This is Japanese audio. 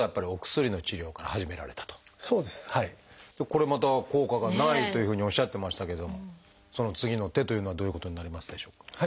これまた効果がないというふうにおっしゃってましたけどその次の手というのはどういうことになりますでしょうか？